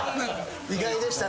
意外でしたね